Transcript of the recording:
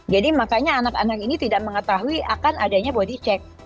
jadi makanya anak anak ini tidak mengetahui akan adanya body check